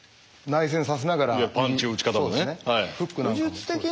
パンチの打ち方をね。